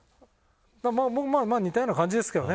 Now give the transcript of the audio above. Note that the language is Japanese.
僕もまあ似たような感じですけどね。